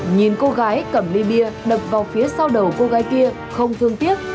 nhìn cô gái cầm ly bia đập vào phía sau đầu cô gái kia không thương tiếc